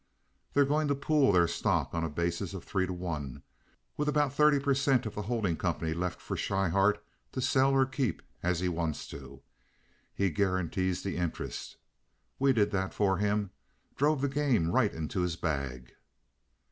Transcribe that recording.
"They're going to pool their stock on a basis of three to one, with about thirty per cent. of the holding company left for Schryhart to sell or keep, as he wants to. He guarantees the interest. We did that for him—drove the game right into his bag."